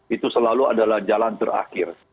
itu selalu adalah jalan terakhir